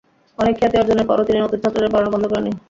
অনেক খ্যাতি অর্জনের পরও তিনি নতুন ছাত্রদের পড়ানো বন্ধ করেননি।